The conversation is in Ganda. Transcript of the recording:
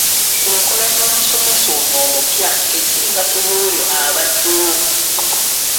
Enkola y'omusomesa ono omupya esinga ku y'oyo abaddewo.